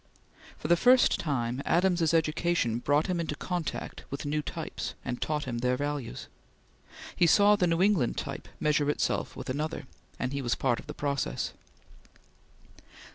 For the first time Adams's education brought him in contact with new types and taught him their values. He saw the New England type measure itself with another, and he was part of the process.